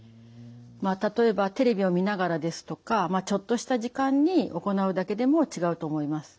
例えばテレビを見ながらですとかちょっとした時間に行うだけでも違うと思います。